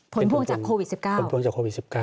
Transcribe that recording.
ผลพวงจากโควิด๑๙ผลพวงจากโควิด๑๙